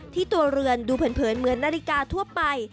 ตัวเรือนดูเผินเหมือนนาฬิกาทั่วไป